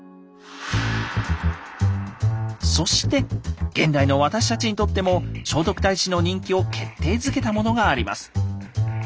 そして現代の私たちにとっても聖徳太子の人気を決定づけたものがあります。